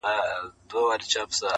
o يا دي نه وي يا دي نه سره زامن وي!